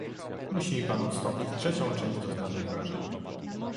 "Musi mi pan odstąpić trzecią część doznanych wrażeń."